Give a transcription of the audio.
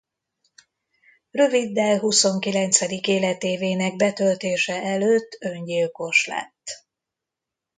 Röviddel huszonkilencedik életévének betöltése előtt öngyilkos lett.